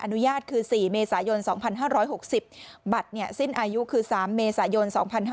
อนุญาตคือ๔เมษายน๒๕๖๐บัตรสิ้นอายุคือ๓เมษายน๒๕๕๙